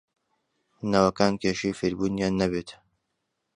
نەوەکان کێشەی فێربوونیان نەبێت